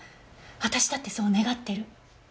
私だってそう願ってる。